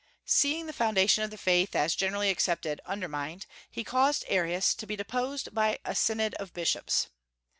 Seeing the foundation of the faith, as generally accepted, undermined, he caused Arius to be deposed by a synod of bishops.